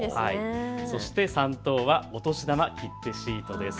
そして３等はお年玉切手シートです。